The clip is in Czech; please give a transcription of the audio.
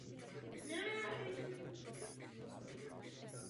Dům je sídlem Technické správy komunikací hlavního města Prahy.